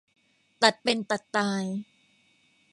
ตัดเป็นตัดตาย